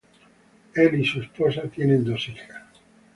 Él y su esposa tienen dos hijas.